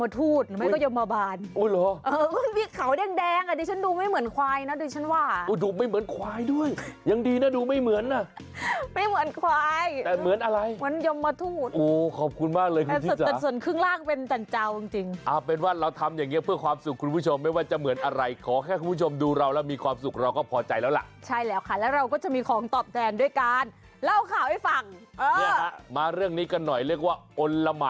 ถูกต้องค่ะเป็นเทศกาลแห่งความสุขเป็นเทศกาลคริสต์มาร์ทนะคะ